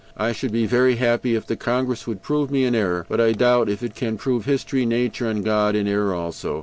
"I should be very happy if the Congress would prove me in error. But I doubt if it can prove history, nature, and God in error also.